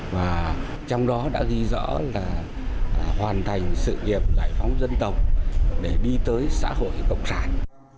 và trong đó đã ghi rõ là hoàn thành sự nghiệp giải phóng dân tộc để đi tới xã hội cộng sản